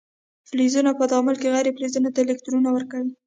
فلزونه په تعامل کې غیر فلزونو ته الکترون ورکوي.